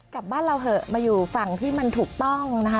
กลับบ้านเราเถอะมาอยู่ฝั่งที่มันถูกต้องนะคะ